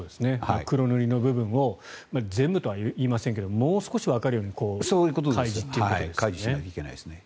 黒塗りの部分を全部とは言いませんがもう少しわかるように開示ということですよね。